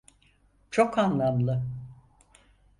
Çok anlamlı.